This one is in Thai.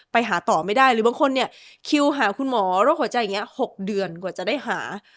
ไปหาต่อไม่ได้หรือบางคนเนี่ยคิวหาคุณหมอโรคหัวใจอย่างนี้๖เดือนกว่าจะได้หา